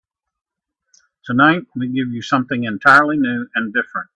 Tonight we give you something entirely new and different.